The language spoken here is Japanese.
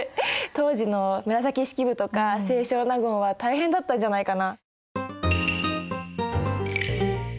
当時の紫式部とか清少納言は大変だったんじゃないかな。